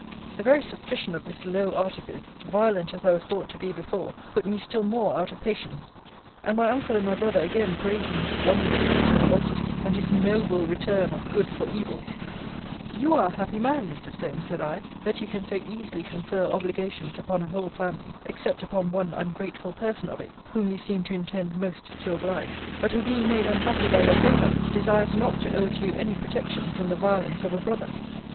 The very suspicion of this low artifice, violent as I was thought to be before, put me still more out of patience; and my uncle and my brother again praising his wonderful generosity, and his noble return of good for evil, You are a happy man, Mr. Solmes, said I, that you can so easily confer obligations upon a whole family, except upon one ungrateful person of it, whom you seem to intend most to oblige; but who being made unhappy by your favour, desires not to owe to you any protection from the violence of a brother.